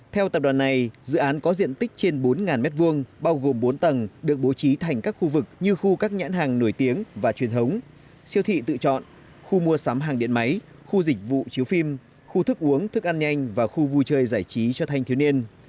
theo tập đoàn này dự án có diện tích trên bốn m hai bao gồm bốn tầng được bố trí thành các khu vực như khu các nhãn hàng nổi tiếng và truyền thống siêu thị tự chọn khu mua sắm hàng điện máy khu dịch vụ chiếu phim khu thức uống thức ăn nhanh và khu vui chơi giải trí cho thanh thiếu niên